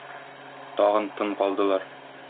Тагын тын калдылар.